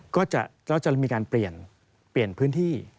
ก็จะมีการเปลี่ยนพื้นที่